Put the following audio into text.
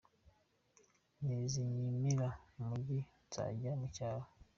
Nizinyimira mu mujyi nzajya mu cyaro.